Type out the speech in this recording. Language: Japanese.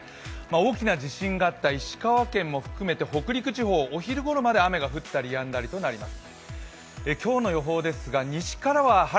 大きな地震があった石川県も含めて北陸地方、お昼頃まで雨が降ったりやんだりとなっています。